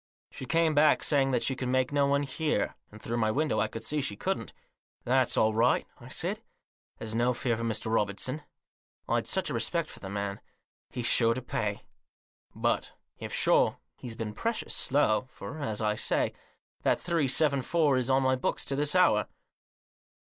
She came back saying that she could make no one hear ; and, through my window, I could see she couldn't ' That's all right/ I said, ' There's no fear for Mr. Robertson '— I'd such a respect for the man —' he's sure to pay.' But, if sure, he's been precious slow; for, as I say, that three seven four is on my books to this hour."